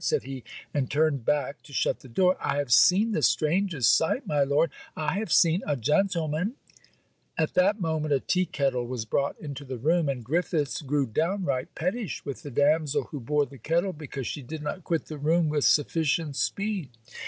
said he, and turned back to shut the door; 'I have seen the strangest sight, my Lord! I have seen a gentleman ' At that moment a tea kettle was brought into the room; and Griffiths grew downright pettish with the damsel who bore the kettle, because she did not quit the room with sufficient speed.